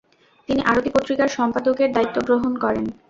তিনি আরতি পত্রিকার সম্পাদকের দায়িত্ব গ্রহণ করেন।